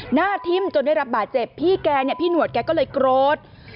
หน้าทิ่มจนได้รับบาดเจ็บพี่แกเนี่ยพี่หนวดแกก็เลยโกรธ